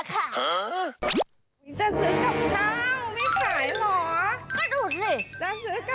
จะซื้อกับข้าวไม่ขายเหรอ